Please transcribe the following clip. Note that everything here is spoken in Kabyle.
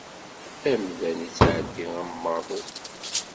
Amdan ittɛeddi am waḍu.